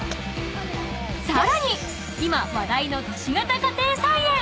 ［さらに今話題の都市型家庭菜園］